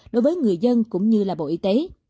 đối với người dân cũng như bộ y tế